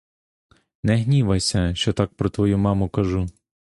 Не гнівайся, що так про твою маму кажу.